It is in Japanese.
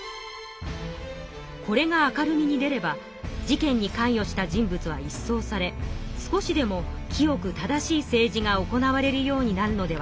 これが明るみに出れば事件に関与した人物はいっそうされ少しでも清く正しい政治が行われるようになるのではないか。